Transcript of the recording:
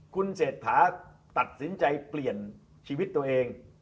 คุณเศรษฐาตัดสินใจเปลี่ยนชีวิตตัวเอง